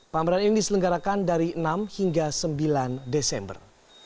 pameran ini diselenggarakan dari enam hingga sembilan desember